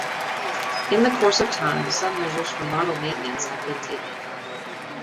In the course of time some measures for model maintenance have been taken.